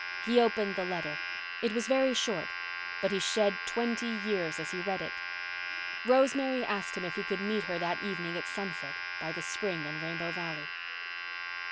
He opened the letter. It was very short—but he shed twenty years as he read it. Rosemary asked him if he could meet her that evening at sunset by the spring in Rainbow Valley.